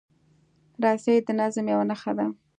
رسۍ د نظم یوه نښه ده.